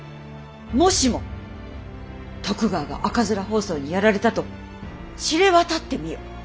もしも徳川が赤面疱瘡にやられたと知れ渡ってみよ。